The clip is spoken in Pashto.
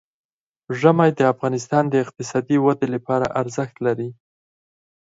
ژمی د افغانستان د اقتصادي ودې لپاره ارزښت لري.